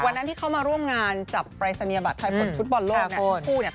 วันนั้นที่เขามาร่วมงานจับปรายศนียบัตรไทยผลฟุตบอลโลกทั้งคู่